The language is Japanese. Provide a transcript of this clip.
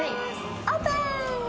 オープン！